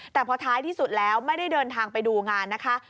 แต่พอท้ายที่สุดแล้วไม่ได้เดินทางไปดูงานนะคะ